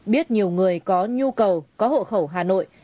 biết nhiều người có nhu cầu có hộ khẩu hà nội